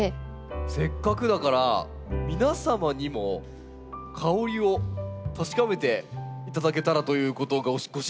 せっかくだから皆様にも香りを確かめていただけたらということをご指示いただきまして。